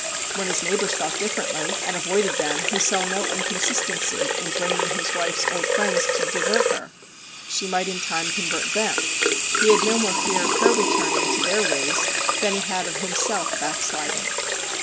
When his neighbours thought differently, and avoided them, he saw no inconsistency in bringing his wife's old friends to divert her : she might in time convert them\ he had no more fear of her returning to their ways than he had of himself 'backsliding.'